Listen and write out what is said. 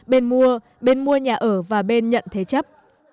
bên mua bên mua nhà ở và bên nhận thế chấp